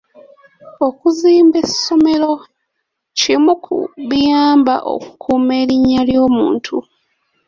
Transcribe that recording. Okuzimba essomero kimu ku biyamba okukuuma erinnya ly'omuntu.